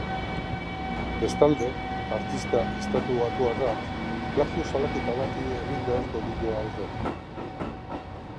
Bestalde, artista estatubatuarrak plagio salaketa bati egin beharko dio aurre.